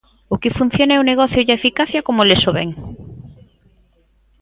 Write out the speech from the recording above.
O que funciona é o negocio e a eficacia como eles o ven.